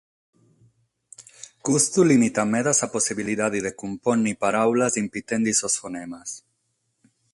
Custu lìmitat meda sa possibilidade de cumpònnere paràulas impitende sos fonemas.